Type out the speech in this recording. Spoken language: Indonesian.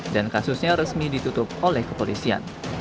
dan kasusnya resmi ditutup oleh kepolisian